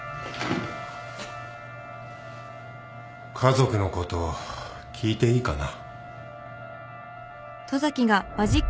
家族のこと聞いていいかな？